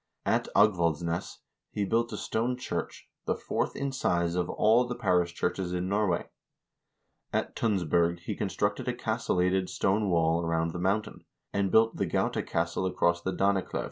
At Agvaldsnes he built a stone church, the fourth in size of all the parish churches in Norway. At Tunsberg he constructed a castellated stone wall around the mountain, and built the Gaute castle across the Daneklev.